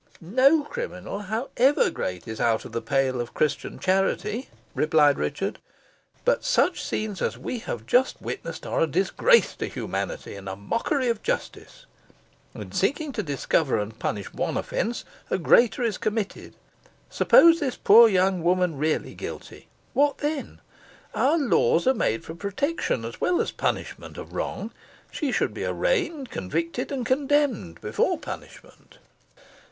"No criminal, however great, is out of the pale of Christian charity," replied Richard; "but such scenes as we have just witnessed are a disgrace to humanity, and a mockery of justice. In seeking to discover and punish one offence, a greater is committed. Suppose this poor young woman really guilty what then? Our laws are made for protection, as well as punishment of wrong. She should he arraigned, convicted, and condemned before punishment."